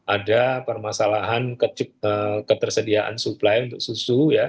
ada permasalahan ketersediaan suplai untuk susu ya